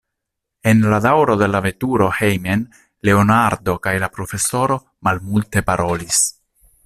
En la daŭro de la veturo hejmen Leonardo kaj la profesoro malmulte parolis.